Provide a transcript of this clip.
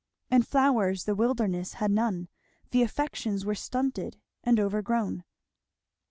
And flowers the wilderness had none. The affections were stunted and overgrown.